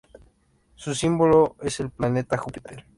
Su símbolo es el planeta Júpiter.